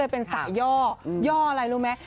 ย่ออะไรรู้มั้ย